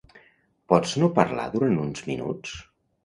Pots no parlar durant uns minuts?